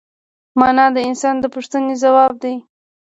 مانا د انسان د پوښتنې ځواب دی.